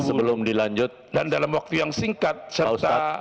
pak sebelum dilanjut dan dalam waktu yang singkat serta